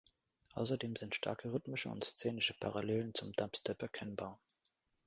Außerdem sind starke rhythmische und szenische Parallelen zum Dubstep erkennbar.